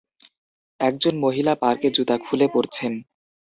একজন মহিলা পার্কে জুতা খুলে পড়ছেন।